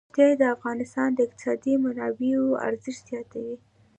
ښتې د افغانستان د اقتصادي منابعو ارزښت زیاتوي.